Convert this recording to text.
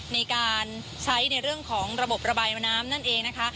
ในการใช้ในเรื่องของระบบระบายน้ำนั่นเองนะคะ